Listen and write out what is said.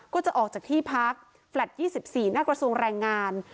ก็จะออกจากที่พักแฟลต์๒๔หน้ากระทรวงแรงงาน